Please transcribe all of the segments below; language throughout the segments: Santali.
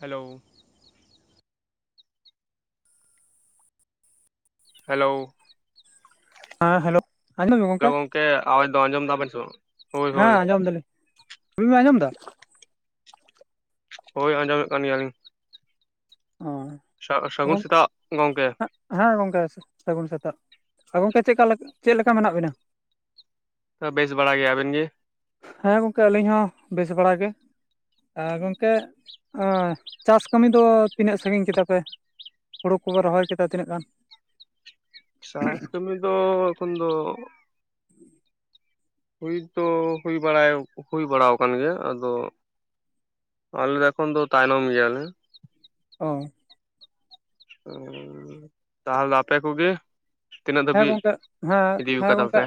ᱦᱮᱞᱳ᱾ ᱦᱮᱞᱳ᱾ ᱦᱮᱸ ᱦᱮᱞᱳ ᱟᱸᱡᱚᱢ ᱫᱟᱵᱤᱱ ᱜᱚᱝᱠᱮ ᱟᱶᱟᱡᱽ ᱫᱚ ᱟᱸᱡᱚᱢ ᱫᱟᱵᱮᱱ ᱥᱮ ᱵᱟᱝ? ᱦᱳᱭ ᱦᱳᱭ ᱦᱮᱸ ᱟᱸᱡᱚᱢ ᱫᱟᱞᱤᱧ [unintelligible] ᱟᱸᱡᱚᱢ ᱮᱫᱟ? ᱦᱳᱭ ᱟᱸᱡᱚᱢᱮᱫ ᱠᱟᱱ ᱜᱮᱭᱟᱞᱤᱧ ᱾ ᱚᱻ ᱥᱟᱜ ᱥᱟᱹᱜᱩᱱ ᱥᱮᱛᱟᱜ ᱜᱚᱢᱠᱮ᱾ ᱦᱮᱸ ᱜᱚᱝᱠᱮ ᱥᱟᱹᱜᱩᱱ ᱥᱮᱛᱟᱜ ᱾ᱜᱚᱝᱠᱮ ᱪᱮᱫᱞᱮᱠᱟ ᱪᱮᱫ ᱢᱮᱱᱟᱜ ᱵᱤᱱ ᱼᱟ? ᱵᱮᱥ ᱵᱟᱲᱟ ᱜᱮᱭᱟ ᱾ᱟᱵᱮᱱ ᱜᱮ? ᱦᱮᱸ ᱜᱚᱝᱠᱮ ᱟᱹᱞᱤᱧ ᱦᱚᱸ ᱵᱮᱥ ᱵᱟᱲᱟ ᱜᱮ᱾ ᱜᱚᱢᱠᱮ ᱪᱟᱥ ᱠᱟᱹᱢᱤ ᱫᱚ ᱛᱤᱱᱟᱹᱜ ᱥᱟᱺᱜᱤᱧ ᱠᱮᱫᱟ ᱯᱮ? ᱦᱩᱲᱩ ᱠᱚᱯᱮ ᱨᱚᱦᱚᱭ ᱠᱮᱫᱟ ᱛᱤᱱᱟᱹ ᱜᱟᱱ? ᱪᱟᱥ ᱠᱟᱹᱢᱤ ᱫᱚ ᱮᱠᱷᱚᱱ ᱫᱚ ᱦᱩᱭ ᱛᱚ ᱦᱩᱭ ᱵᱟᱲᱟᱭ ᱦᱩᱭ ᱵᱟᱲ ᱟᱠᱟᱱ ᱜᱮᱭᱟ ᱟᱫᱚ ᱟᱞᱮ ᱫᱚ ᱮᱠᱷᱚᱱ ᱫᱚ ᱛᱟᱭᱱᱚᱢ ᱜᱮᱭᱟᱞᱮ ᱚᱸ, ᱩᱻᱻ ᱛᱟᱦᱚᱞᱮ ᱯᱮ ᱠᱚ ᱜᱮ ᱦᱮᱸ ᱜᱚᱝᱠᱮ ᱦᱮᱸ, ᱤᱫᱤ ᱦᱮᱸ ᱠᱟᱫᱟ ᱜᱚᱝᱠᱮ ᱯᱮ?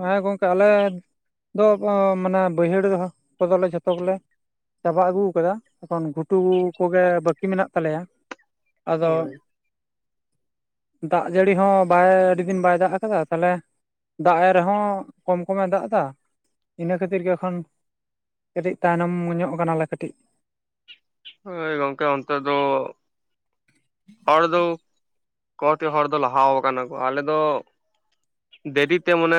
ᱦᱮᱸ ᱜᱚᱝᱠᱮ ᱟᱞᱮ ᱫᱚ ᱢᱟᱱᱮ ᱵᱟᱹᱭᱦᱟᱹᱲ ᱨᱮ ᱦᱚᱸ ᱠᱚᱫᱚᱞᱮ ᱡᱷᱚᱛᱚ ᱜᱮᱞᱮ ᱪᱟᱵᱟ ᱟᱹᱜᱩ ᱟᱠᱟᱫᱟ ᱮᱠᱷᱚᱱ ᱜᱷᱩᱴᱩ ᱠᱚᱜᱮ ᱵᱟᱹᱠᱤ ᱢᱮᱱᱟᱜ ᱛᱟᱞᱮᱭᱟ᱾ ᱟᱫᱚ ᱦᱳᱭ ᱫᱟᱜ ᱡᱟᱹᱲᱤ ᱦᱚᱸ ᱵᱟᱭ ᱟᱹᱰᱤ ᱫᱤᱱ ᱵᱟᱭ ᱫᱟᱜ ᱟᱠᱟᱫᱟ ᱛᱟᱦᱚᱞᱮ ᱫᱟᱜ ᱮ ᱨᱮᱦᱚᱸ ᱠᱚᱢ ᱠᱚᱢ ᱮ ᱫᱟᱜ ᱮᱫᱟ᱾ ᱤᱱᱟᱹ ᱠᱷᱟᱹᱛᱤᱨ ᱜᱮ ᱮᱠᱷᱚᱱ ᱠᱟᱹᱴᱤᱡ ᱛᱟᱭᱱᱚᱢ ᱧᱚᱜ ᱠᱟᱱᱟᱞᱮ ᱠᱟᱹᱴᱤᱡ᱾ ᱟᱹᱭ ᱜᱚᱢᱠᱮ ᱚᱱᱛᱮ ᱫᱚ ᱦᱚᱲ ᱫᱚ ᱠᱚ ᱛᱮ ᱦᱚᱲ ᱫᱚ ᱞᱟᱦᱟ ᱠᱟᱱᱟ ᱠᱚ ᱟᱞᱮ ᱫᱚ ᱫᱮᱨᱤ ᱛᱮ ᱢᱟᱱᱮ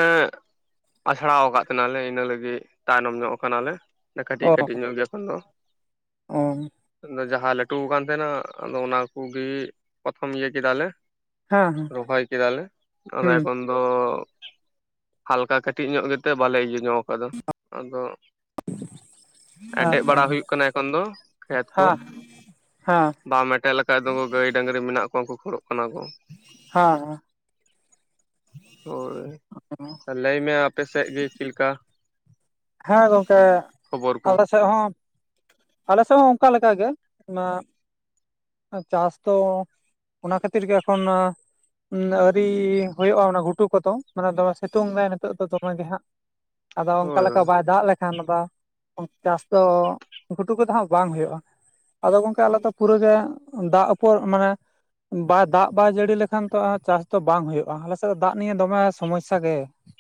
ᱟᱥᱲᱟ ᱟᱠᱟᱫ ᱛᱟᱦᱮᱞᱮ ᱤᱱᱟᱹ ᱞᱟᱹᱜᱤᱫ ᱛᱟᱭᱱᱚᱢ ᱧᱚᱜ ᱠᱟᱱᱟᱞᱮ᱾ ᱠᱟᱹᱴᱤᱡ ᱚ ᱠᱟᱹᱴᱤᱡ ᱧᱚᱜ ᱜᱮᱭᱟ ᱮᱠᱷᱚᱱ ᱫᱚ ᱚ ᱟᱫᱚ ᱡᱟᱦᱟᱸ ᱞᱟᱹᱴᱩ ᱠᱟᱱ ᱛᱟᱦᱮᱸᱱᱟ ᱟᱫᱚ ᱚᱱᱟᱠᱚᱜᱮ ᱯᱨᱚᱛᱷᱚᱢ ᱤᱭᱟᱹ ᱠᱮᱫᱟᱞᱮ ᱦᱮᱸ ᱦᱮᱸ ᱨᱚᱦᱚᱭ ᱠᱮᱫᱟᱞᱮ ᱟᱫᱚ ᱦᱩᱸ ᱮᱠᱷᱚᱱ ᱫᱚ ᱦᱟᱞᱠᱟ ᱠᱟᱹᱴᱤᱡ ᱧᱚᱜ ᱜᱮᱛᱮ ᱵᱟᱞᱮ ᱤᱭᱟᱹ ᱧᱚᱜ ᱠᱟᱫᱟ ᱟᱫᱚ ᱮᱴᱮᱫ ᱦᱮᱸᱛᱚ ᱵᱟᱲᱟ ᱦᱩᱭᱩᱜ ᱠᱟᱱᱟ ᱮᱠᱷᱚᱱ ᱫᱚ ᱠᱷᱮᱛ ᱠᱚ᱾ ᱦᱮᱸ ᱦᱮᱸ ᱵᱟᱢ ᱮᱴᱮᱫ ᱞᱮᱠᱷᱟᱡ ᱫᱚ ᱜᱟᱹᱭ ᱰᱟᱝᱨᱤ ᱢᱮᱱᱟᱜ ᱠᱚᱣᱟ ᱩᱱᱠᱩ ᱠᱷᱚᱲᱚᱜ ᱠᱟᱱᱟ ᱠᱚ᱾ ᱦᱟᱸ ᱦᱟᱸ ᱦᱳᱭ ᱞᱟᱹᱭ ᱢᱮ ᱟᱯᱮ ᱥᱮᱫ ᱜᱮ ᱪᱮᱫ ᱞᱮᱠᱟ? ᱦᱮᱸ ᱜᱚᱝᱠᱮ ᱠᱷᱚᱵᱚᱨ ᱠᱚ ᱟᱞᱮ ᱥᱮᱫ ᱦᱚᱸ ᱟᱞᱮ ᱥᱮᱫ ᱦᱚᱸ ᱚᱱᱠᱟ ᱞᱮᱠᱟ ᱜᱮ ᱚᱱᱟ ᱪᱟᱥ ᱫᱚ ᱚᱱᱟ ᱠᱷᱟᱹᱛᱤᱨ ᱜᱮ ᱮᱠᱷᱚᱱ ᱟᱸᱻ ᱾ ᱩᱢ ᱟᱹᱣᱨᱤ ᱦᱩᱭᱩᱜᱼᱟ ᱚᱱᱟ ᱜᱷᱩᱴᱩ ᱠᱚᱫᱚ ᱢᱟᱱᱮ ᱫᱚᱢᱮ ᱥᱤᱛᱩᱝ ᱫᱟᱭ ᱱᱤᱛᱚᱜ ᱫᱚ ᱫᱚᱢᱮᱜᱮ ᱦᱟᱸᱜ᱾ ᱟᱫᱚ ᱚᱱᱠᱟ ᱦᱳᱭ ᱞᱮᱠᱟ ᱦᱳᱭ ᱵᱟᱭ ᱫᱟᱜ ᱞᱮᱠᱷᱟᱱ ᱟᱫᱚ ᱪᱟᱥ ᱫᱚ᱾ ᱜᱷᱩᱴᱩ ᱠᱚᱫᱚ ᱦᱟᱜ ᱵᱟᱝ ᱦᱩᱭᱩᱜᱼᱟ᱾ ᱟᱫᱚ ᱜᱚᱝᱠᱮ ᱟᱞᱮ ᱫᱚ ᱯᱩᱨᱟᱹᱜᱮ ᱫᱟᱜ ᱩᱯᱚᱨ ᱢᱟᱱᱮ ᱵᱟᱭ ᱫᱟᱜ ᱵᱟᱭ ᱡᱟᱹᱲᱤ ᱞᱮᱠᱷᱟᱱ ᱛᱚ ᱟᱨ ᱪᱟᱥ ᱫᱚ ᱵᱟᱝ ᱦᱩᱭᱩᱜᱼᱟ ᱟᱞᱮᱥᱮᱫ ᱫᱚ ᱫᱟᱜ ᱱᱤᱭᱮ ᱫᱚᱢᱮ ᱥᱚᱢᱚᱥᱥᱟ ᱜᱮ᱾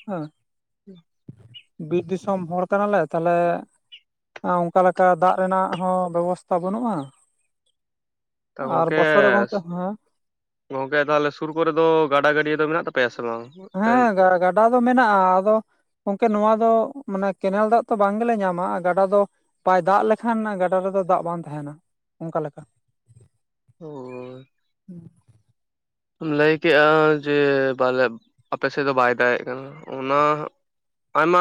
ᱦᱟᱹ᱾ [unintelligible] ᱵᱤᱨ ᱫᱤᱥᱚᱢ ᱦᱚᱲ ᱠᱟᱱᱟᱞᱮ ᱛᱟᱦᱚᱞᱮ ᱮᱸ ᱚᱱᱠᱟ ᱞᱮᱠᱟ ᱚᱱᱠᱟ ᱫᱟᱜ ᱨᱮᱱᱟᱜ ᱦᱚᱸ ᱵᱮᱵᱚᱥᱛᱟ ᱵᱟᱹᱱᱩᱜᱼᱟ? ᱛᱚ ᱟᱨ ᱜᱚᱝᱠᱮ ᱵᱚᱥᱚᱨ ᱨᱮ ᱜᱚᱝᱠᱮ ᱦᱮᱸ ᱜᱚᱝᱠᱮ ᱛᱟᱦᱚᱞᱮ ᱥᱩᱨ ᱠᱚᱨᱮ ᱫᱚ ᱜᱟᱰᱟ ᱜᱟᱹᱰᱭᱟᱹ ᱫᱚ ᱢᱮᱱᱟᱜ ᱛᱟᱯᱮᱭᱟ ᱥᱮ ᱵᱟᱝ? ᱢᱤᱫᱴᱮᱱ ᱦᱮᱸ ᱜᱟ ᱜᱟᱰᱟ ᱫᱚ ᱢᱮᱱᱟᱜᱼᱟ ᱟᱫᱚ ᱜᱚᱝᱠᱮ ᱱᱚᱣᱟ ᱫᱚ ᱢᱟᱱᱮ ᱠᱮᱱᱮᱞ ᱫᱟᱜ ᱛᱚ ᱵᱟᱝ ᱜᱮᱞᱮ ᱧᱟᱢᱟ ᱟᱨ ᱜᱟᱰᱟ ᱫᱚ ᱵᱟᱭ ᱫᱟᱜ ᱞᱮᱠᱷᱟᱱ ᱜᱟᱰᱟ ᱨᱮᱫᱚ ᱫᱟᱜ ᱵᱟᱝ ᱛᱟᱸᱦᱮᱱᱟ ᱚᱱᱠᱟ ᱞᱮᱠᱟ᱾ ᱟᱹᱻᱵ᱾ [inaudible] ᱞᱟᱹᱭ ᱠᱮᱜᱼᱟ ᱡᱮ ᱵᱚᱞᱮ ᱟᱯᱮᱥᱮᱫ ᱫᱚ ᱵᱟᱭ ᱫᱟᱜᱼᱮᱜ ᱠᱟᱱᱟ ᱚᱱᱟ ᱟᱭᱢᱟ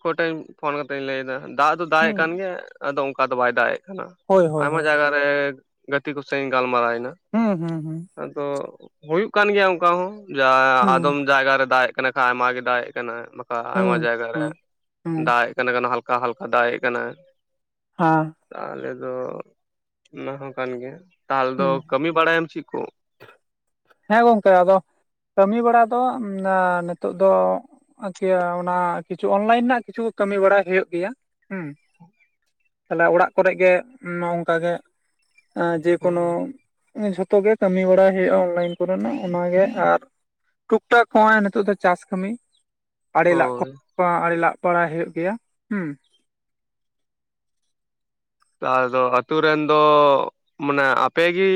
ᱠᱚ ᱴᱮᱱ ᱯᱷᱳᱱ ᱠᱟᱛᱮᱧ ᱞᱟᱹᱭᱫᱟ᱾ ᱫᱟᱜ ᱫᱚ ᱫᱟᱜᱼᱮᱜ ᱦᱩᱸ ᱠᱟᱱ ᱜᱮᱭᱟ ᱟᱫᱚ ᱚᱝᱠᱟ ᱫᱚ ᱵᱟᱭ ᱫᱟᱜᱼᱮᱜ ᱠᱟᱱᱟ, ᱦᱳᱭ ᱦᱳᱭ ᱟᱭᱢᱟ ᱦᱳᱭ ᱡᱟᱭᱜᱟ [inaudible] ᱜᱟᱛᱮ ᱠᱚ ᱥᱟᱶ ᱤᱧ ᱜᱟᱞᱢᱟᱨᱟᱣᱱᱟ᱾ ᱦᱩᱸ ᱦᱩᱸ ᱦᱩᱸ᱾ ᱟᱫᱚ ᱦᱩᱭᱩᱜ ᱠᱟᱱ ᱜᱮᱭᱟ ᱚᱝᱠᱟ ᱦᱚᱸ ᱡᱟ ᱦᱩᱸ ᱟᱫᱚᱢ ᱡᱟᱭᱜᱟ ᱨᱮ ᱫᱟᱜᱼᱮᱜ ᱠᱟᱱᱟ ᱠᱷᱟᱸ ᱟᱭᱢᱟ ᱜᱮ ᱫᱟᱜᱼᱮᱜ ᱠᱟᱱᱟ ᱵᱟᱠᱷᱟ ᱟᱭᱢᱟ ᱦᱩᱸ ᱡᱟᱭᱜᱟ ᱨᱮ ᱦᱩᱸ ᱦᱩᱸ ᱫᱟᱜᱼᱮᱜ ᱠᱟᱱᱟ ᱠᱟᱱᱟ ᱦᱟᱞᱠᱟ ᱦᱟᱞᱠᱟ ᱫᱟᱜᱼᱮᱜ ᱠᱟᱱᱟ᱾ ᱦᱟᱸ᱾ ᱛᱟᱦᱞᱮ ᱫᱚ ᱚᱱᱟ ᱦᱚᱸ ᱠᱟᱱ ᱜᱮᱭᱟ, ᱛᱟᱞ ᱫᱚ ᱦᱮᱸ ᱠᱟᱹᱢᱤ ᱵᱟᱲᱟᱭᱟᱢ ᱪᱮᱜ ᱠᱚ? ᱦᱮᱸ ᱜᱚᱝᱠᱮ ᱟᱫᱚ ᱠᱟᱹᱢᱤ ᱵᱟᱲᱟ ᱫᱚ ᱢᱟᱱᱮ ᱱᱤᱛᱚᱜ ᱫᱚ ᱠᱮᱭᱟ ᱚᱱᱟ ᱠᱤᱪᱷᱩ ᱚᱱᱞᱟᱭᱤᱱ ᱱᱟᱜ ᱠᱤᱪᱷᱩ ᱠᱟᱹᱢᱤ ᱵᱟᱲᱟᱭ ᱦᱩᱭᱩᱜ ᱜᱮᱭᱟ ᱦᱩᱸ᱾ ᱛᱟᱦᱞᱮ ᱚᱲᱟᱜ ᱠᱚᱨᱮᱜ ᱜᱮ ᱱᱚᱝᱠᱟ ᱜᱮ ᱮᱸ ᱡᱮᱠᱚᱱᱳ ᱮᱸ ᱡᱷᱚᱛᱚ ᱜᱮ ᱠᱟᱹᱢᱤ ᱵᱟᱲᱟᱭ ᱦᱩᱭᱩᱜᱼᱟ ᱚᱱᱞᱟᱭᱤᱱ ᱠᱚ ᱨᱮᱱᱟᱜ ᱚᱱᱟ ᱜᱮ ᱟᱨ ᱴᱩᱠ ᱴᱟᱠ ᱦᱚᱸᱜᱼᱚᱭ ᱱᱤᱛᱚᱜ ᱫᱚ ᱪᱟᱥ ᱠᱟᱹᱢᱤ᱾ ᱟᱲᱮᱹ ᱞᱟᱜ ᱦᱳᱭ [inaudible] ᱟᱲᱮ ᱞᱟᱜ ᱵᱟᱲᱟᱭ ᱦᱩᱭᱩᱜ ᱜᱮᱭᱟ ᱦᱩᱸ᱾ [unintelligible] ᱟᱛᱳ ᱨᱮᱱ ᱫᱚ ᱢᱟᱱᱮ ᱟᱯᱮ ᱜᱤ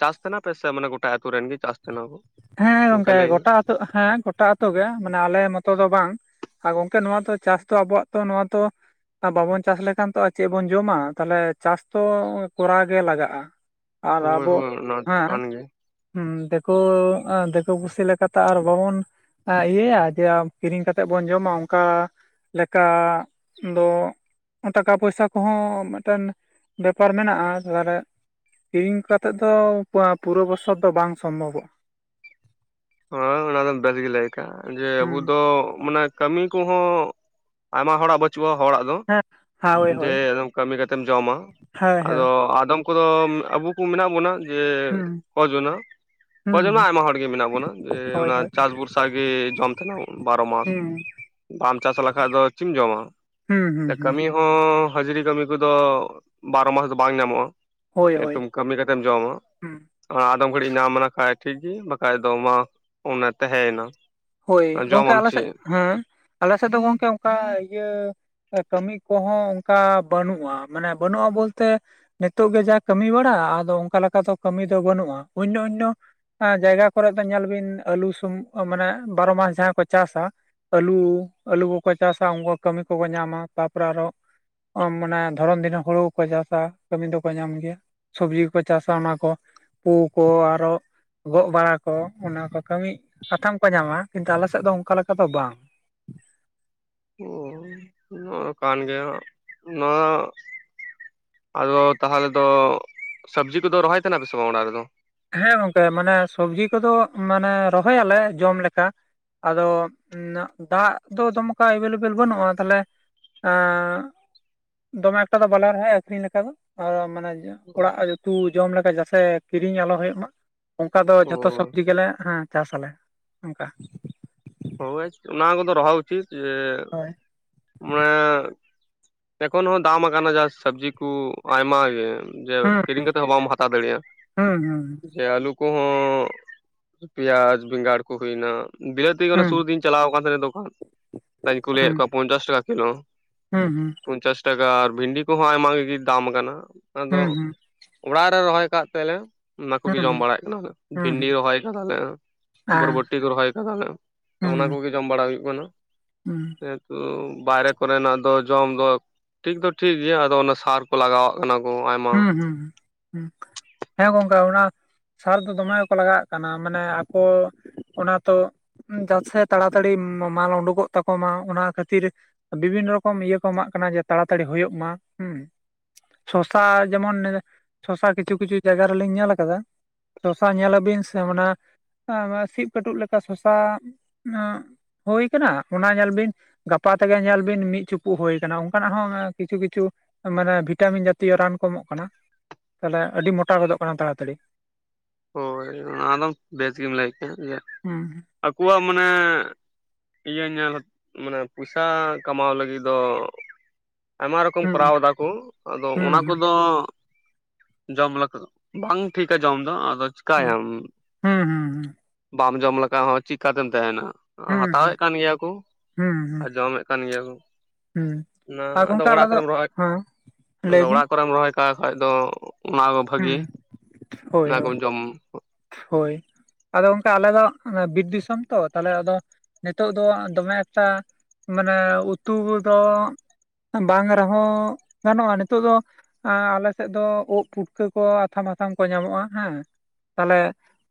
ᱪᱟᱥ ᱠᱟᱱᱟ ᱯᱮ ᱥᱮ ᱢᱟᱱᱮ ᱜᱚᱴᱟ ᱟᱛᱩ ᱨᱮᱱ ᱜᱤ ᱪᱟᱥ ᱛᱟᱦᱮᱱᱟ ᱠᱚ? ᱦᱮᱸ ᱦᱮᱸ ᱚᱱᱠᱟ ᱜᱚᱝᱠᱮ ᱞᱟᱹᱭ ᱢᱮ ᱜᱚᱴᱟ ᱟᱹᱛᱩ ᱦᱮᱸ ᱜᱚᱴᱟ ᱟᱹᱛᱩ ᱜᱮ ᱢᱟᱱᱮ ᱟᱞᱮ ᱢᱚᱛᱚ ᱫᱚ ᱵᱟᱝ᱾ ᱟ ᱜᱚᱝᱠᱮ ᱱᱚᱣᱟ ᱛᱚ ᱪᱟᱥ ᱛᱚ ᱟᱵᱚᱣᱟᱜ ᱛᱚ ᱱᱚᱣᱟ ᱛᱚ ᱟ ᱵᱟᱵᱚᱱ ᱪᱟᱥ ᱞᱮᱠᱷᱟᱱ ᱛᱚ ᱟ ᱪᱮᱜ ᱵᱚᱱ ᱡᱚᱢᱟ ᱛᱟᱦᱞᱮ ᱪᱟᱥ ᱛᱚ ᱠᱚᱨᱟᱣ ᱜᱮ ᱞᱟᱜᱟᱜᱼᱟ᱾ ᱟᱨ ᱦᱳᱭ ᱟᱵᱚ ᱦᱳᱭ ᱚᱱᱟ ᱦᱮᱸ ᱠᱟᱱ ᱜᱮ ᱦᱩᱸ ᱫᱮᱠᱳ ᱟᱸ ᱫᱮᱠᱳ ᱯᱩᱥᱤ ᱞᱮᱠᱟ ᱛᱚ ᱟᱨ ᱵᱟᱵᱚᱱ ᱟᱸ ᱤᱭᱟᱹᱭᱟ ᱡᱮ ᱠᱤᱨᱤᱧ ᱠᱟᱛᱮᱜ ᱵᱚᱱ ᱡᱚᱢᱟ ᱚᱝᱠᱟ ᱞᱮᱠᱟ ᱫᱚ ᱴᱟᱠᱟ ᱯᱚᱭᱥᱟ ᱠᱚᱦᱚᱸ ᱢᱮᱫᱴᱮᱱ ᱵᱮᱯᱟᱨ ᱢᱮᱱᱟᱜᱼᱟ [unintelligible] ᱠᱤᱨᱤᱧ ᱠᱟᱛᱮᱜ ᱫᱚ [unintelligible] ᱯᱩᱨᱟᱹ ᱵᱚᱥᱚᱨ ᱫᱚ ᱵᱟᱝ ᱥᱚᱢᱵᱷᱚᱵᱚᱜᱼᱟ᱾ [unintelligible] ᱜᱤ ᱞᱟᱹᱭ ᱠᱟᱜᱼᱟ ᱡᱮ ᱟᱵᱚ ᱦᱩᱸ ᱫᱚ ᱢᱟᱱᱮ ᱠᱟᱹᱢᱤ ᱠᱚ ᱦᱚᱸ ᱟᱭᱢᱟ ᱦᱚᱲᱟᱜ ᱵᱟᱹᱪᱩᱜᱼᱟ ᱦᱚᱲᱟᱜ ᱫᱚ᱾ ᱦᱮᱸ ᱦᱳᱭ ᱦᱳᱭ ᱡᱮ [unintelligible] ᱠᱟᱹᱢᱤ ᱠᱟᱛᱮᱢ ᱡᱚᱢᱟ ᱦᱳᱭ ᱦᱳᱭ ᱟᱫᱚ ᱟᱫᱚᱢ ᱠᱚᱫᱚ ᱟᱵᱩ ᱠᱚ ᱢᱮᱱᱟᱜ ᱵᱚᱱᱟ ᱡᱮ ᱦᱩᱸ ᱚᱡᱚᱱᱟ, ᱚᱡᱚᱱᱟ ᱦᱩᱸ ᱟᱭᱢᱟ ᱦᱚᱲ ᱜᱮ ᱢᱮᱱᱟᱜ ᱵᱚᱱᱟ᱾ ᱡᱮ ᱦᱳᱭ ᱚᱱᱟ ᱦᱳᱭ ᱪᱟᱥ ᱵᱷᱚᱨᱥᱟ ᱜᱮ ᱡᱚᱢ ᱛᱟᱦᱱᱟ ᱵᱟᱨᱚ ᱢᱟᱥ᱾ ᱦᱩᱸ ᱵᱟᱢ ᱪᱟᱥ ᱞᱮᱠᱷᱟᱡ ᱫᱚ ᱪᱮᱢ ᱡᱚᱢᱟ ᱦᱩᱸ ᱦᱩᱸ ᱦᱩᱸ ᱠᱟᱹᱢᱤ ᱦᱚᱸ ᱦᱟᱹᱡᱨᱤ ᱠᱟᱹᱢᱤ ᱠᱚᱫᱚ ᱵᱟᱨᱚ ᱢᱟᱥ ᱫᱚ ᱵᱟᱝ ᱦᱳᱭ ᱦᱳᱭ ᱧᱟᱢᱚᱜᱼᱟ᱾ ᱠᱟᱹᱢᱤ ᱠᱟᱛᱮᱢ ᱡᱚᱢᱟ ᱦᱩᱸ ᱟᱫᱚᱢ ᱜᱷᱟᱹᱲᱤᱡ ᱧᱟᱢ ᱞᱮᱠᱷᱟᱡ ᱴᱷᱤᱠ ᱜᱮ ᱵᱟᱠᱷᱟᱡ ᱫᱚ ᱢᱟ ᱚᱱᱟ ᱛᱟᱦᱮᱸᱭᱱᱟ᱾ ᱦᱳᱭ ᱜᱚᱝᱠᱮ ᱟᱞᱮᱥᱮᱜ ᱦᱮᱸ ᱟᱞᱮᱥᱮᱜ ᱫᱚ ᱜᱚᱝᱠᱮ ᱚᱝᱠᱟ ᱤᱭᱟᱹ ᱮ ᱠᱟᱹᱢᱤ ᱠᱚᱦᱚᱸ ᱚᱝᱠᱟ ᱵᱟᱹᱱᱩᱜᱼᱟ, ᱢᱟᱱᱮ ᱵᱟᱹᱱᱩᱜᱼᱟ ᱵᱚᱞᱛᱮ ᱱᱤᱛᱚᱜ ᱜᱮ ᱡᱟ ᱠᱟᱹᱢᱤ ᱵᱟᱲᱟ ᱟᱫᱚ ᱚᱝᱠᱟ ᱞᱮᱠᱟ ᱫᱚ ᱠᱟᱹᱢᱤ ᱫᱚ ᱵᱟᱹᱱᱩᱜᱼᱟ ᱚᱱᱱᱚ ᱚᱱᱱᱚ ᱟᱸ ᱡᱟᱭᱜᱟ ᱠᱚᱨᱮᱡ ᱫᱚ ᱧᱮᱞ ᱵᱤᱱ ᱟᱹᱞᱩ ᱥᱩᱢ ᱢᱟᱱᱮ ᱵᱟᱨᱚ ᱢᱟᱥ ᱡᱟᱦᱟᱸ ᱠᱚ ᱪᱟᱥᱟ ᱟᱹᱞᱩ ᱟᱹᱞᱩ ᱠᱚᱠᱚ ᱪᱟᱥᱟ ᱩᱝᱠᱩ ᱠᱟᱹᱢᱤ ᱠᱚᱠᱚ ᱧᱟᱢᱟ ᱛᱟᱯᱚᱨᱮ ᱟᱨᱚ ᱚ ᱢᱟᱱᱮ ᱫᱷᱚᱨᱚᱱ ᱫᱤᱱ ᱦᱚᱸ ᱦᱩᱲᱩ ᱠᱚ ᱪᱟᱥᱟ ᱠᱟᱹᱢᱤ ᱫᱚᱠᱚ ᱧᱟᱢ ᱜᱮᱭᱟ᱾ ᱥᱚᱵᱽᱡᱤ ᱠᱚᱠᱚ ᱪᱟᱥᱟ ᱚᱱᱟ ᱠᱚ᱾ ᱯᱩ ᱠᱚ ᱟᱨᱚ ᱜᱚᱜ ᱵᱟᱲᱟ ᱠᱚ ᱚᱱᱟ ᱠᱚ ᱠᱟᱹᱢᱤ ᱠᱟᱛᱷᱟᱢ ᱠᱚ ᱧᱟᱢᱟ ᱠᱤᱱᱛᱩ ᱟᱞᱮ ᱥᱮᱫ ᱫᱚ ᱚᱱᱠᱟ ᱞᱮᱠᱟ ᱫᱚ ᱵᱟᱝ᱾ ᱚ ᱱᱚᱶᱟ ᱠᱟᱱ ᱜᱮᱭᱟ ᱱᱚᱣᱟ ᱟᱫᱚ ᱛᱟᱦᱞᱮ ᱫᱚ ᱥᱚᱵᱽᱡᱤ ᱠᱚᱫᱚ ᱨᱚᱦᱚᱭ ᱛᱟᱦᱮᱫ ᱯᱮ ᱥᱮ ᱵᱟᱝ ᱚᱲᱟᱜ ᱨᱮᱫᱚ? ᱦᱮᱸ ᱜᱚᱝᱠᱮ ᱢᱟᱱᱮ ᱥᱚᱵᱽᱡᱤ ᱠᱚᱫᱚ ᱢᱟᱱᱮ ᱨᱚᱦᱚᱭ ᱟᱞᱮ ᱡᱚᱢ ᱞᱮᱠᱟ᱾ ᱟᱫᱚ ᱱᱟᱜ ᱫᱟᱜ ᱫᱚ ᱫᱚᱢᱠᱟ ᱮᱵᱮᱞᱮᱵᱮᱞ ᱵᱟᱹᱱᱩᱜᱼᱟ ᱛᱟᱦᱞᱮ ᱫᱚᱢᱮ ᱮᱠᱴᱟ ᱫᱚ ᱵᱟᱞᱮ ᱨᱚᱦᱚᱭᱟ ᱟᱹᱠᱷᱨᱤᱧ ᱞᱮᱠᱟ ᱫᱚ ᱟᱨ ᱢᱟᱱᱮ ᱚᱲᱟᱜ ᱩᱛᱩ ᱡᱚᱢ ᱞᱮᱠᱟ ᱡᱟᱛᱮ ᱠᱤᱨᱤᱧ ᱠᱤᱨᱤᱧ ᱟᱞᱚ ᱦᱩᱭᱩᱜ ᱢᱟ ᱚᱱᱠᱟ ᱫᱚ ᱡᱚᱛᱚ ᱚ ᱥᱚᱵᱽᱡᱤ ᱜᱮᱞᱮ ᱪᱟᱥ ᱟᱞᱮ ᱚᱱᱠᱟ᱾ ᱦᱳᱭ ᱚᱱᱟ ᱠᱚᱫᱚ ᱨᱚᱦᱚᱭ ᱩᱪᱤᱛ ᱡᱮ ᱦᱳᱭ ᱢᱟᱱᱮ ᱮᱠᱷᱚᱱ ᱦᱚᱸ ᱫᱟᱢ ᱟᱠᱟᱱᱟ ᱡᱟ ᱥᱚᱵᱽᱡᱤ ᱠᱚ ᱟᱭᱢᱟ ᱜᱮ᱾ ᱡᱮ ᱦᱩᱸ ᱦᱩᱸ᱾ ᱠᱤᱨᱤᱧ ᱠᱟᱛᱮᱜ ᱦᱚᱸ ᱵᱟᱢ ᱦᱟᱛᱟᱣ ᱫᱟᱲᱮᱭᱟᱜᱼᱟ᱾ ᱡᱮ ᱟᱞᱩ ᱠᱚᱦᱚᱸ ᱯᱮᱭᱟᱡ ᱵᱮᱸᱜᱟᱲ ᱠᱚ ᱦᱩᱭᱱᱟ ᱵᱤᱞᱟᱹᱛᱤ ᱥᱩᱨ ᱫᱤᱱ ᱪᱟᱞᱟᱣ ᱟᱠᱟᱱ ᱛᱟᱦᱮᱱᱟᱧ ᱫᱚᱠᱟᱱ ᱠᱩᱞᱤᱭᱮᱫ ᱠᱚᱣᱟ ᱯᱚᱧᱪᱟᱥ ᱴᱟᱠᱟ ᱠᱤᱞᱳ᱾ ᱦᱩ ᱦᱩ᱾ ᱯᱚᱧᱪᱟᱥ ᱴᱟᱠᱟ ᱟᱨ ᱵᱷᱤᱱᱰᱤ ᱠᱚᱦᱚᱸ ᱟᱭᱢᱟ ᱜᱮ ᱫᱟᱢ ᱟᱠᱟᱱᱟ ᱟᱫᱚ ᱚᱲᱟᱜ ᱨᱮ ᱨᱚᱦᱚᱭ ᱟᱠᱟᱫ ᱛᱟᱞᱮ ᱚᱱᱟ ᱠᱚᱜᱮ ᱡᱚᱢ ᱵᱟᱲᱟᱭᱮᱫ ᱠᱟᱱᱟᱞᱮ ᱵᱷᱤᱱᱰᱤ ᱨᱚᱦᱚᱭ ᱠᱟᱫᱟᱞᱮ᱾ ᱟ ᱵᱷᱚᱨᱵᱚᱴᱤ ᱠᱚ ᱨᱚᱦᱚᱭ ᱠᱟᱫᱟᱞᱮ ᱚᱱᱟ ᱠᱚ ᱦᱩᱸ, ᱜᱮ ᱡᱚᱢ ᱵᱟᱲᱟ ᱦᱩᱭᱩᱜ ᱠᱟᱱᱟ ᱦᱩᱸ, ᱡᱮ ᱦᱮᱛᱩ ᱵᱟᱭᱨᱮ ᱠᱚᱨᱮᱱᱟᱜ ᱫᱚ ᱡᱚᱢ ᱫᱚ ᱴᱷᱤᱠ ᱫᱚ ᱴᱷᱤᱠ ᱜᱮᱭᱟ ᱟᱫᱚ ᱚᱱᱟ ᱥᱟᱨ ᱠᱚ ᱞᱟᱜᱟᱣᱟᱜ ᱠᱟᱱᱟ ᱠᱚ ᱟᱭᱢᱟ᱾ ᱦᱩᱸ, ᱦᱩᱸ, ᱦᱮᱸ ᱜᱚᱝᱠᱮ ᱚᱱᱟ ᱥᱟᱨ ᱫᱚ ᱫᱚᱢᱮ ᱜᱮᱠᱚ ᱞᱟᱜᱟᱶᱟᱜ ᱠᱟᱱᱟ ᱢᱟᱱᱮ ᱟᱠᱚ ᱚᱱᱟ ᱛᱚ ᱡᱟᱛᱮ ᱛᱟᱲᱟᱛᱟᱲᱤ ᱢᱟᱞ ᱩᱰᱩᱠᱚᱜ ᱛᱟᱠᱚ ᱢᱟ ᱚᱱᱟ ᱠᱷᱟᱹᱛᱤᱨ᱾ ᱵᱤᱵᱷᱤᱱᱱᱚ ᱨᱚᱠᱚᱢ ᱤᱭᱟᱹ ᱠᱚ ᱮᱢᱟᱜ ᱠᱟᱱᱟ ᱡᱮ ᱛᱟᱲᱟᱛᱟᱲᱤ ᱦᱩᱭᱩᱜ ᱢᱟ ᱦᱩ᱾ ᱥᱚᱥᱟ ᱡᱮᱢᱚᱱ ᱥᱚᱥᱟ ᱠᱤᱪᱷᱩ ᱠᱤᱪᱷᱩ ᱡᱟᱭᱜᱟ ᱨᱮᱞᱤᱧ ᱧᱮᱞ ᱟᱠᱟᱫᱟ᱾ ᱥᱚᱥᱟ ᱧᱮᱞ ᱟᱵᱤᱱ ᱥᱮ ᱢᱟᱱᱮ ᱥᱤᱵ ᱠᱟᱹᱴᱩᱵ ᱞᱮᱠᱟ ᱥᱚᱥᱟ ᱦᱩᱭ ᱟᱠᱟᱱᱟ ᱚᱱᱟ ᱧᱮᱞ ᱵᱤᱱ᱾ ᱜᱟᱯᱟ ᱛᱮᱜᱮ ᱧᱮᱞ ᱵᱤᱱ ᱢᱤᱫ ᱪᱩᱯᱩᱜ ᱦᱩᱭ ᱟᱠᱟᱱᱟ ᱚᱱᱠᱟᱱᱟᱜ ᱦᱚᱸ ᱠᱤᱪᱷᱩ ᱠᱤᱪᱷᱩ ᱢᱟᱱᱮ ᱵᱷᱤᱴᱟᱢᱤᱱ ᱡᱟᱛᱮ ᱛᱤᱭᱚ ᱨᱟᱱ ᱠᱚ ᱮᱢᱚᱜ ᱠᱟᱱᱟ ᱛᱟᱦᱚᱞᱮ ᱟᱹᱰᱤ ᱢᱚᱴᱟ ᱜᱚᱫᱚᱜ ᱠᱟᱱᱟ ᱛᱟᱲᱟᱛᱟᱹᱲᱤ᱾ ᱦᱳᱭ ᱚᱱᱟ ᱟᱫᱚ ᱵᱮᱥ ᱜᱮᱢ ᱞᱟᱹᱭ ᱠᱮᱫᱼᱟ᱾ ᱦᱩ᱾ ᱟᱠᱚᱣᱟᱜ ᱢᱟᱱᱮ ᱤᱭᱟᱹ ᱢᱟᱱᱮ ᱯᱚᱭᱥᱟ ᱠᱟᱢᱟᱣ ᱞᱟᱜᱤᱫ ᱫᱚ᱾ ᱟᱭᱢᱟ ᱨᱚᱠᱚᱢ ᱠᱚᱨᱟᱣ ᱦᱩᱸ ᱫᱟᱠᱚ ᱟᱫᱚ ᱦᱩᱸ ᱚᱱᱟ ᱦᱩᱸ ᱠᱚᱫᱚ ᱡᱚᱢ ᱠᱚ ᱵᱟᱝ ᱴᱷᱤᱠᱟ ᱡᱚᱢ ᱫᱚ ᱟᱫᱚ ᱪᱤᱠᱟᱭᱟᱢ᱾ ᱦᱩᱸ ᱦᱩᱸ ᱵᱟᱢ ᱡᱚᱢ ᱞᱮᱠᱷᱟᱱ ᱦᱚᱸ ᱪᱤᱠᱟᱛᱮᱢ ᱛᱟᱦᱮᱱᱟ᱾ ᱦᱟᱛᱟᱣᱮᱫ ᱦᱩᱸ ᱠᱟᱱ ᱜᱮᱭᱟ ᱠᱚ ᱟᱨ ᱡᱚᱢᱮᱫ ᱠᱟᱱ ᱜᱮᱭᱟ ᱠᱚ᱾ ᱦᱮᱸ ᱚᱱᱟ ᱟᱨ ᱟᱫᱚ ᱜᱚᱢᱠᱮ ᱟᱞᱮ ᱚᱲᱟᱜ ᱫᱚ ᱠᱚᱨᱮᱢ ᱨᱚᱦᱚᱭ ᱦᱮᱸ ᱟᱫᱚ ᱞᱟᱹᱭ ᱵᱤᱱ᱾ ᱚᱲᱟᱜ ᱠᱚᱨᱮᱢ ᱨᱚᱦᱚᱭ ᱠᱟᱜ ᱠᱷᱟᱡ ᱫᱚ ᱚᱱᱟ ᱦᱩᱸ ᱵᱷᱟᱹᱜᱤ ᱦᱳᱭ ᱚᱱᱟ ᱠᱚᱢ ᱦᱳᱭ ᱡᱚᱢ ᱦᱳᱭ ᱟᱫᱚ ᱚᱱᱠᱟ ᱟᱞᱮ ᱫᱚ ᱵᱤᱨ ᱫᱤᱥᱚᱢ ᱛᱚ ᱛᱟᱦᱚᱞᱮ ᱟᱫᱚ ᱱᱮᱛᱚᱜ ᱫᱚ ᱫᱚᱢᱮ ᱮᱠᱴᱟ ᱢᱟᱱᱮ ᱩᱛᱩ ᱫᱚ ᱵᱟᱝ ᱨᱮᱦᱚᱸ ᱜᱟᱱᱚᱜᱼᱟ ᱱᱤᱛᱚᱜ ᱫᱚ᱾ ᱟᱞᱮ ᱥᱮᱫ ᱫᱚ ᱩᱫᱽ ᱯᱩᱴᱠᱟᱹ ᱠᱚ ᱟᱛᱷᱟᱢ ᱟᱛᱷᱟᱢ ᱠᱚ ᱧᱟᱢᱚᱜᱼᱟ ᱦᱮᱸ᱾ ᱛᱟᱦᱚᱞᱮ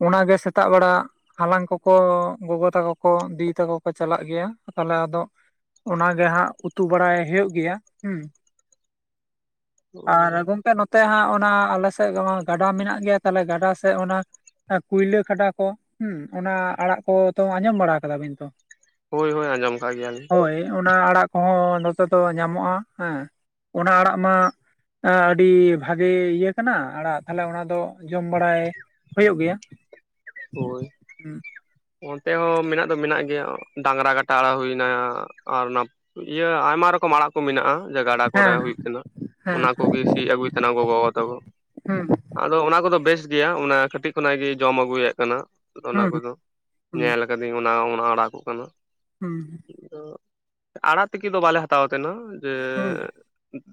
ᱚᱱᱟᱜᱮ ᱥᱮᱛᱟᱜ ᱵᱮᱲᱟ᱾ ᱦᱟᱞᱟᱝ ᱠᱚᱠᱚ ᱜᱚᱜᱚ ᱛᱟᱠᱚ ᱠᱚ ᱫᱤᱫᱤ ᱛᱟᱠᱚ ᱠᱚ ᱪᱟᱞᱟᱜ ᱜᱮᱭᱟ ᱛᱟᱦᱚᱞᱮ ᱟᱫᱚ ᱚᱜᱮ ᱦᱟᱸᱜ ᱩᱛᱩ ᱵᱟᱲᱟᱭ ᱦᱩᱭᱩᱜ ᱜᱮᱭᱟ ᱦᱮᱸ᱾ [inaudible] ᱟᱨ ᱜᱚᱝᱠᱮ ᱱᱚᱛᱮ ᱦᱟᱸᱜ ᱚᱱᱟ ᱟᱞᱮ ᱥᱮᱜ ᱜᱟᱰᱟ ᱢᱮᱱᱟᱜ ᱜᱮᱭᱟ ᱛᱟᱦᱞᱮ ᱜᱟᱰᱟ ᱥᱮᱜ ᱚᱱᱟ ᱟ ᱠᱩᱭᱞᱟᱹ ᱠᱷᱟᱰᱟ ᱠᱚ ᱦᱩᱸ ᱚᱱᱟ ᱟᱲᱟᱜ ᱠᱚ ᱛᱚ ᱟᱸᱡᱚᱢ ᱵᱟᱲᱟ ᱠᱟᱫᱟ ᱵᱤᱱ ᱛᱚ? ᱦᱳᱭ ᱦᱳᱭ ᱟᱸᱡᱚᱢ ᱠᱟᱜ ᱜᱮᱭᱟᱞᱤᱧ᱾ ᱦᱳᱭ ᱚᱱᱟ ᱟᱲᱟᱜ ᱠᱚᱦᱚᱸ ᱱᱚᱛᱮ ᱫᱚ ᱧᱟᱢᱚᱜᱼᱟ ᱦᱮᱸ ᱚᱱᱟ ᱟᱲᱟᱜ ᱢᱟ ᱮᱸ ᱟᱹᱰᱤ ᱵᱷᱟᱜᱮ ᱤᱭᱟᱹ ᱠᱟᱱᱟ ᱟᱲᱟᱜ ᱛᱟᱦᱞᱮ ᱚᱱᱟ ᱫᱚ ᱡᱚᱢ ᱵᱟᱲᱟᱭ ᱦᱩᱭᱩᱜ ᱜᱮᱭᱟ᱾ ᱦᱳᱭ᱾ ᱦᱩᱸ ᱚᱱᱛᱮ ᱦᱚᱸ ᱢᱮᱱᱟᱜ ᱫᱚ ᱢᱮᱱᱟᱜ ᱜᱮᱭᱟ ᱰᱟᱝᱨᱟ ᱠᱟᱴᱟ ᱟᱲᱟᱜ ᱦᱩᱭᱱᱟ ᱟᱨ ᱚᱱᱟ ᱤᱭᱟᱹ ᱟᱭᱢᱟ ᱨᱚᱠᱚᱢ ᱟᱲᱟᱜ ᱠᱩ ᱢᱮᱱᱟᱜᱼᱟ᱾ ᱡᱮ ᱜᱟᱰᱟ ᱠᱚᱨᱮ ᱦᱮᱸ ᱦᱩᱭᱩᱜ ᱠᱟᱱᱟ ᱚᱱᱟ ᱦᱮᱸ ᱠᱚᱜᱮ ᱥᱤᱜ ᱟᱹᱜᱩᱭ ᱛᱟᱦᱮᱱᱟ ᱜᱚᱜᱚ ᱵᱟᱵᱟ ᱛᱟᱠᱚ᱾ ᱦᱩᱸ ᱟᱫᱚ ᱚᱱᱟ ᱠᱚᱫᱚ ᱵᱮᱥ ᱜᱮᱭᱟ ᱚᱱᱟ ᱠᱟᱹᱴᱤᱜ ᱠᱷᱚᱱᱟᱜ ᱜᱮ ᱡᱚᱢ ᱟᱹᱜᱩᱭᱮᱜ ᱠᱟᱱᱟ᱾ ᱚᱱᱟ ᱦᱩᱸ ᱠᱚᱫᱚ ᱦᱩᱸ ᱧᱮᱞ ᱠᱟᱹᱫᱤᱹᱧ ᱚᱱᱟ ᱚᱱᱟ ᱟᱲᱟᱜ ᱠᱚ ᱠᱟᱱᱟ᱾ ᱦᱩᱸ [inaudible] ᱟᱲᱟᱜ ᱛᱤᱠᱤ ᱫᱚ ᱵᱟᱞᱮ ᱦᱟᱛᱟᱣ ᱛᱟᱦᱮᱱᱟ ᱡᱮ ᱦᱩᱸ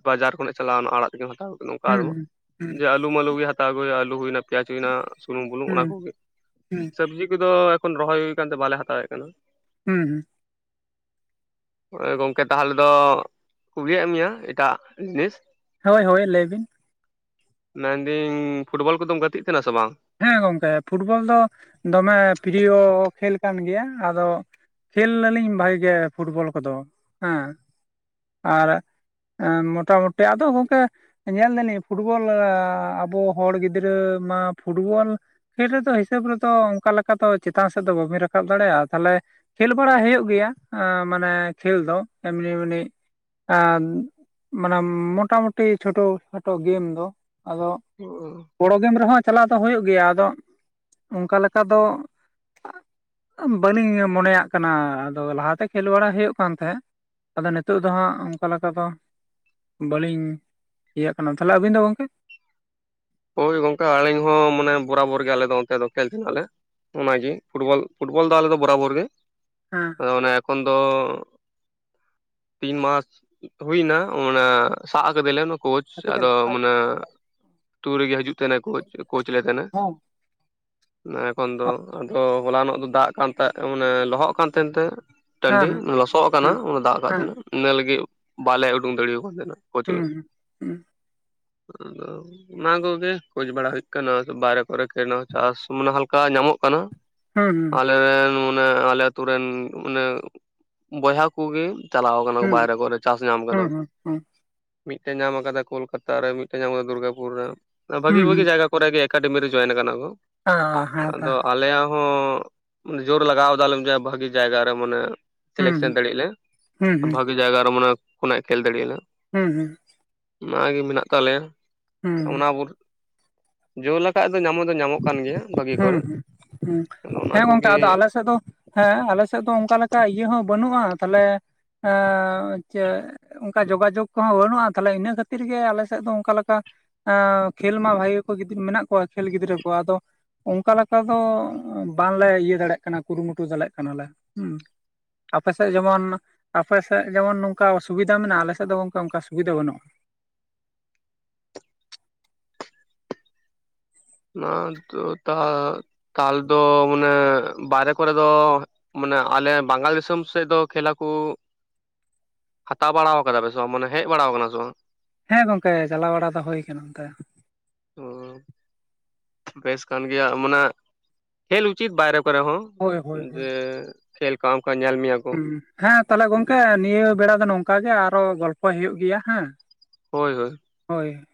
ᱵᱟᱡᱟᱨ ᱠᱷᱚᱱᱟᱜ ᱪᱟᱞᱟᱣᱱᱟ ᱟᱲᱟᱜ ᱦᱩᱸ [unintelligible] ᱦᱩᱸ ᱡᱮ ᱟᱹᱞᱩ ᱢᱟᱞᱩ ᱜᱮ ᱦᱟᱛ ᱛᱟᱣ ᱜᱩ ᱦᱩᱭᱩᱜᱼᱟ ᱟᱹᱞᱩ ᱦᱩᱭᱱᱟ ᱯᱮᱭᱟᱡᱽ ᱦᱩᱭᱱᱟ ᱥᱩᱱᱩᱢ ᱵᱩᱞᱩᱝ ᱚᱱᱟ ᱦᱩᱸ ᱠᱚᱜᱮ᱾ ᱦᱩᱸ᱾ ᱥᱚᱵᱽᱡᱤ ᱠᱚᱫᱚ ᱮᱠᱷᱚᱱ ᱨᱚᱦᱚᱭ ᱦᱩᱭ ᱠᱟᱱᱛᱮ ᱵᱟᱞᱮ ᱦᱟᱛᱟᱣᱮᱜ ᱠᱟᱱᱟ᱾ ᱦᱩᱸ ᱦᱩᱸ [inaudible] ᱮᱸ ᱜᱚᱝᱠᱮ ᱛᱟᱦᱞᱮ ᱫᱚ ᱠᱩᱞᱤᱭᱮᱜ ᱢᱮᱭᱟ ᱮᱴᱟᱜ ᱡᱤᱱᱤᱥ᱾ ᱦᱳᱭ ᱦᱳᱭ ᱞᱟᱹᱭ ᱵᱤᱱ᱾ ᱢᱮᱱᱫᱤᱹᱧ ᱯᱷᱩᱴᱵᱚᱞ ᱠᱚᱫᱚᱢ ᱜᱟᱛᱤᱜ ᱛᱟᱦᱱᱟ ᱥᱮ ᱵᱟᱝ? ᱦᱮᱸ ᱜᱚᱝᱠᱮ ᱯᱷᱩᱴᱵᱚᱞ ᱫᱚ ᱫᱚᱢᱮ ᱯᱨᱤᱭᱚ ᱠᱷᱮᱞ ᱠᱟᱱ ᱜᱮᱭᱟ᱾ ᱟᱫᱚ ᱠᱷᱮᱞ ᱱᱟᱞᱤᱧ ᱵᱷᱟᱜᱮ ᱜᱮ ᱯᱷᱩᱴᱵᱚᱞ ᱠᱚᱫᱚ ᱦᱮᱸ᱾ ᱟᱨ ᱮᱸ ᱢᱚᱴᱟᱢᱩᱴᱤ ᱟᱫᱚ ᱜᱚᱝᱠᱮ ᱧᱮᱞ ᱫᱟᱹᱞᱤᱧ ᱯᱷᱩᱴᱵᱚᱞ ᱟᱵᱚ ᱦᱚᱲ ᱜᱤᱫᱽᱨᱟᱹ ᱢᱟ ᱯᱷᱩᱴᱵᱚᱞ ᱠᱷᱮᱞ ᱨᱮᱫᱚ ᱦᱤᱥᱟᱹᱵᱽ ᱨᱮᱫᱚ ᱚᱝᱠᱟ ᱞᱮᱠᱟ ᱫᱚ ᱪᱮᱛᱟᱱ ᱥᱮᱜ ᱫᱚ ᱵᱟᱹᱵᱤᱱ ᱨᱟᱠᱟᱵ ᱫᱟᱲᱮᱜᱼᱟ ᱛᱟᱦᱞᱮ ᱠᱷᱮᱞ ᱵᱟᱲᱟ ᱦᱩᱭᱩᱜ ᱜᱮᱭᱟ ᱟᱸ ᱢᱟᱱᱮ ᱠᱷᱮᱞ ᱫᱚ ᱮᱢᱱᱤ ᱢᱟᱱᱮ ᱟᱸ ᱢᱟᱱᱮ ᱢᱚᱴᱟᱢᱩᱴᱤ ᱪᱷᱳᱴᱳ ᱠᱷᱟᱴᱚ ᱜᱮᱢ ᱫᱚ ᱟᱫᱚ ᱵᱚᱲᱚ ᱜᱮᱢ ᱨᱮᱦᱚᱸ ᱪᱟᱞᱟᱣ ᱫᱚ ᱦᱩᱭᱩᱜ ᱜᱮᱭᱟ ᱟᱫᱚ ᱚᱝᱠᱟ ᱞᱮᱠᱟ ᱫᱚ ᱵᱟᱹᱞᱤᱧ ᱢᱚᱱᱮᱭᱟᱜ ᱠᱟᱱᱟ ᱟᱫᱚ ᱞᱟᱦᱟᱛᱮ ᱠᱷᱮᱞ ᱵᱟᱲᱟᱭ ᱦᱩᱭᱩᱜ ᱠᱟᱱ ᱛᱟᱦᱮᱸᱜ ᱟᱫᱚ ᱱᱤᱛᱚᱜ ᱫᱚ ᱦᱟᱸᱜ ᱚᱝᱠᱟ ᱞᱮᱠᱟ ᱫᱚ ᱵᱟᱹᱞᱤᱧ ᱤᱭᱟᱹᱜ ᱠᱟᱱᱟ, ᱛᱟᱦᱞᱮ ᱟᱵᱤᱱ ᱫᱚ ᱜᱚᱝᱠᱮ? ᱦᱳᱭ ᱜᱚᱝᱠᱮ ᱟᱞᱤᱧ ᱦᱚᱸ ᱢᱟᱱᱮ ᱵᱚᱨᱟᱵᱚᱨ ᱜᱮ ᱟᱞᱮ ᱫᱚ ᱚᱱᱛᱮ ᱫᱚ ᱠᱷᱮᱞ ᱠᱟᱱᱟ ᱞᱮ᱾ ᱚᱱᱟ ᱜᱮ ᱯᱷᱩᱴᱵᱚᱞ ᱯᱷᱩᱴᱵᱚᱞ ᱫᱚ ᱟᱞᱮ ᱫᱚ ᱵᱚᱨᱵᱚᱨ ᱜᱮ ᱦᱟᱸ᱾ ᱚᱱᱟ ᱮᱠᱷᱚᱱ ᱫᱚ ᱛᱤᱱ ᱢᱟᱥ ᱦᱩᱭᱱᱟ ᱚᱱᱟ ᱥᱟᱜ ᱠᱟᱫᱟᱞᱮ ᱱᱟ ᱠᱳᱪ ᱟᱫᱚ ᱢᱟᱱᱮ ᱛᱩ ᱨᱮᱜᱮ ᱦᱟᱹᱡᱩᱜ ᱛᱟᱦᱱᱟ ᱠᱳᱪ, ᱠᱳᱪ ᱞᱮ ᱛᱟᱦᱱᱟ᱾ ᱮᱠᱷᱚᱱ ᱫᱚ ᱟᱫᱚ ᱦᱚᱞᱟᱱᱚᱜ ᱫᱚ ᱫᱟᱜ ᱠᱟᱱ ᱛᱟᱦᱮᱜ ᱢᱟᱱᱮ ᱞᱚᱦᱚᱜ ᱠᱟᱱ ᱛᱟᱦᱮᱱ ᱛᱮ ᱴᱟᱺᱰᱤ ᱞᱚᱥᱚᱜ ᱟᱠᱟᱱᱟ ᱚᱱᱟ ᱫᱟᱜ ᱠᱟᱜ ᱛᱟᱦᱮᱸᱱᱟ ᱤᱱᱟᱹ ᱞᱟᱹᱜᱤᱜ ᱵᱟᱞᱮ ᱩᱰᱩᱝ ᱫᱟᱲᱮᱣ ᱠᱟᱱ ᱛᱟᱦᱮᱸᱱᱟ᱾ [unintelligible] ᱚᱱᱟᱠᱚᱜᱮ ᱠᱷᱳᱪ ᱵᱟᱲᱟ ᱦᱳᱭᱳᱜ ᱠᱟᱱᱟ ᱵᱟᱭᱨᱮ ᱠᱚᱨᱮ [unintelligible] ᱱᱟ ᱪᱟᱥ ᱢᱟᱱᱮ ᱦᱟᱞᱠᱟ ᱧᱟᱢᱚᱜ ᱠᱟᱱᱟ᱾ ᱟᱞᱮᱨᱮᱱ ᱢᱟᱱᱮ ᱟᱞᱮ ᱟᱛᱩ ᱨᱮᱱ ᱢᱟᱱᱮ ᱵᱚᱭᱦᱟ ᱠᱚᱜᱮ ᱪᱟᱞᱟᱣ ᱠᱟᱱᱟ ᱠᱚ ᱵᱟᱭᱨᱮ ᱠᱚᱨᱮ ᱪᱟᱥ ᱧᱟᱢ ᱠᱟᱫᱟ ᱠᱚ᱾ ᱢᱤᱫᱴᱮᱱ ᱧᱟᱢ ᱟᱠᱟᱫᱟ ᱠᱳᱞᱠᱟᱛᱟ ᱨᱮ ᱢᱤᱫᱴᱮᱱ ᱧᱟᱢ ᱟᱠᱟᱫᱟ ᱫᱩᱨᱜᱟᱯᱩᱨ ᱨᱮ ᱢᱟᱱᱮ ᱵᱷᱟᱹᱜᱤ ᱵᱷᱟᱹᱜᱤ ᱡᱟᱭᱜᱟ ᱠᱚᱨᱮ ᱜᱮ ᱮᱠᱟᱰᱮᱢᱤ ᱨᱮ ᱡᱚᱭᱮᱱ ᱟᱠᱟᱱᱟ ᱠᱚ ᱟᱫᱚ ᱟᱞᱮᱭᱟᱜ ᱦᱚᱸ ᱢᱟᱱᱮ ᱡᱳᱨ ᱞᱟᱜᱟᱣ ᱫᱟᱞᱮ ᱡᱮ ᱵᱷᱟᱹᱜᱤ ᱡᱟᱭᱜᱟ ᱨᱮ ᱢᱟᱱᱮ ᱥᱤᱞᱮᱠᱥᱮᱱ ᱫᱟᱲᱮᱭᱟᱜ ᱞᱮ ᱵᱷᱟᱹ ᱵᱷᱟᱜᱮ ᱡᱟᱭᱜᱟᱨᱮ ᱢᱚᱱᱮᱦᱚᱭ ᱠᱷᱚᱱᱮᱜ ᱠᱷᱮᱞ ᱫᱟᱲᱮᱭᱟᱜ-ᱟ ᱞᱮ᱾ ᱦᱩᱸ ᱦᱩᱸ᱾ ᱚᱱᱟᱜᱮ ᱢᱮᱱᱟᱜ ᱛᱟᱞᱮᱭᱟ ᱦᱩᱸ ᱚᱱᱟ ᱵᱚᱞ ᱡᱳᱨᱞᱟᱴᱟᱜ ᱫᱚ ᱧᱟᱢᱚᱜ ᱫᱚ ᱧᱟᱢᱚᱜ ᱠᱟᱱ ᱜᱮᱭᱟ ᱵᱷᱟᱹᱜᱤ ᱦᱩᱸ ᱠᱚᱨᱮ ᱦᱩᱸ ᱦᱩᱸ ᱟᱫᱚ ᱚᱱᱟ ᱦᱮᱸ ᱜᱚᱝᱠᱮ ᱠᱚᱜᱮ ᱟᱫᱚ ᱟᱞᱮ ᱥᱮᱫ ᱫᱚ ᱦᱮᱸ ᱟᱞᱮᱥᱮᱫ ᱫᱚ ᱚᱱᱠᱟ ᱞᱮᱠᱟ ᱤᱭᱟᱹ ᱦᱚᱸ ᱵᱟᱹᱱᱩᱜ-ᱟ ᱛᱟᱦᱚᱞᱮ ᱮᱸ ᱪᱮᱫ ᱚᱝᱠᱟ ᱡᱳᱜᱟᱡᱳᱜᱽ ᱠᱚᱦᱚᱸ ᱵᱟᱹᱱᱩᱜ-ᱟ ᱛᱟᱦᱚᱞᱮ ᱤᱱᱟᱹ ᱠᱷᱟᱹᱛᱤᱨ ᱜᱮ ᱟᱞᱮ ᱥᱮᱫ ᱫᱚ ᱚᱝᱠᱟ ᱞᱮᱠᱟ ᱟᱸ ᱠᱷᱮᱞ ᱢᱟ ᱵᱷᱟᱜᱤ ᱜᱮᱠᱚ ᱜᱤᱫᱤᱠ ᱢᱮᱱᱟᱜ ᱠᱚᱣᱟ ᱠᱷᱮᱞ ᱜᱤᱫᱽᱨᱟᱹ᱾ ᱠᱚᱣᱟ ᱟᱫᱚ ᱚᱱᱠᱟ ᱞᱮᱠᱟ ᱫᱚ ᱵᱟᱝᱞᱮ ᱤᱭᱟᱹ ᱫᱟᱲᱮᱭᱟᱜ ᱠᱟᱱᱟ ᱠᱩᱨᱩᱢᱩᱴᱩ ᱫᱟᱲᱮᱭᱟᱜ ᱠᱟᱱᱟᱞᱮ? ᱦᱩᱸ᱾ ᱟᱯᱮᱥᱮᱫ ᱡᱮᱢᱚᱱ ᱟᱯᱮᱥᱮᱫ ᱡᱮᱢᱚᱱ ᱱᱚᱝᱠᱟ ᱥᱩᱵᱤᱫᱷᱟ ᱢᱮᱱᱟᱜ-ᱟ ᱟᱞᱮᱥᱮᱫ ᱫᱚ ᱜᱚᱝᱠᱮ ᱚᱱᱠᱟ ᱥᱩᱵᱤᱫᱷᱟ ᱵᱟᱹᱱᱩᱜ-ᱟ᱾ ᱱᱚᱣᱟ ᱦᱚᱛᱚ ᱛᱟᱦ ᱛᱟᱦᱚᱞᱮ ᱫᱚ ᱢᱟᱱᱮ ᱵᱟᱭᱨᱮ ᱠᱚᱨᱮ ᱫᱚ ᱢᱟᱱᱮ ᱟᱞᱮ ᱵᱟᱝᱜᱟᱞ ᱫᱤᱥᱚᱢ ᱥᱮᱫ ᱫᱚ ᱠᱷᱮᱞ ᱟᱠᱚ ᱦᱟᱛᱟᱣ ᱵᱟᱲᱟᱣ ᱟᱠᱟᱫᱟ ᱯᱮ ᱥᱮ ᱵᱟᱝ ᱢᱟᱱᱮ ᱦᱮᱡ ᱵᱟᱲᱟᱣ ᱠᱟᱱᱟ ᱥᱮ ᱵᱟᱝ? ᱦᱮᱸ ᱜᱚᱝᱠᱮ ᱪᱟᱞᱟᱣ ᱵᱟᱲᱟ ᱫᱚ ᱦᱩᱭᱠᱟᱱᱟ ᱚᱱᱛᱮ᱾ ᱵᱮᱥ ᱠᱟᱱ ᱜᱮᱭᱟ ᱢᱟᱱᱮ ᱠᱷᱮᱞ ᱩᱪᱤᱛ ᱵᱟᱭᱨᱮ ᱠᱚᱨᱮ ᱦᱚᱸ ᱦᱳᱭ ᱦᱳᱭ ᱦᱳᱭ ᱡᱮ ᱠᱷᱮᱞ ᱠᱚ ᱟᱢ ᱠᱚ ᱧᱮᱞ ᱢᱮᱭᱟ᱾ ᱠᱚ ᱦᱩᱸ ᱦᱮᱸ ᱛᱟᱦᱚᱞᱮ ᱜᱚᱢᱠᱮ ᱱᱤᱭᱟᱹ ᱵᱮᱲᱟ ᱫᱚ ᱱᱚᱝᱠᱟ ᱜᱮ, ᱟᱨᱦᱚᱸ ᱜᱚᱞᱯᱷᱚᱭ ᱦᱩᱭᱩᱜ ᱜᱮᱭᱟ ᱦᱮᱸ᱾ ᱦᱳᱭ ᱦᱳᱭ᱾ ᱦᱳᱭ᱾